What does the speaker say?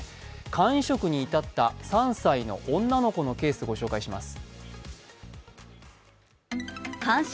肝移植に至った、３歳の女の子のケースをご紹介します。